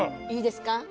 いいですか？